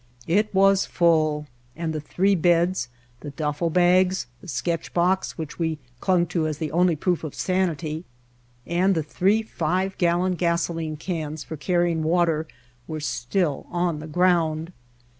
It was full, and the three beds, the duffle bags, the sketch box which we clung to as the only proof of sanity, and the three five gallon gasoline cans for carrying water were still on the ground.